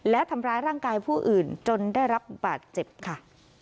และทำร้ายร่างกายผู้อื่นจนได้รับบาดเจ็บค่ะ